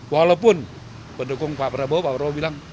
walaupun pendukung pak prabowo pak prabowo bilang